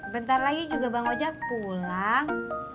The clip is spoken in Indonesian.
bentar lagi juga bang ojek pulang